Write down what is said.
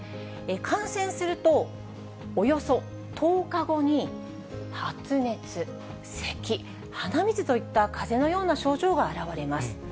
感染すると、およそ１０日後に、発熱、せき、鼻水といったかぜのような症状が現れます。